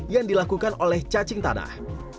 yang dilakukan oleh cacing tanah